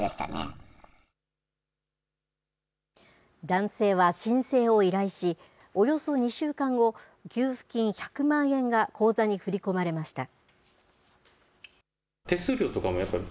男性は申請を依頼し、およそ２週間後、給付金１００万円が口座に振り込まれました。